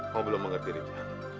kau belum mengerti ritu